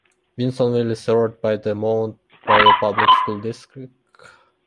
Winstonville is served by the Mound Bayou Public School District.